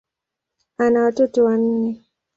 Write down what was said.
Ana watoto wanne.